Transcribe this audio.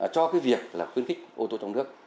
cho cái việc là khuyến khích ô tô trong nước